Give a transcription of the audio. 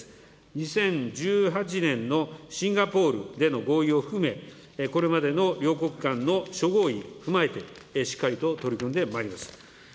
２０１８年のシンガポールでの合意を含め、これまでの両国間の諸合意を踏まえて、しっかりと取り組んでまいります。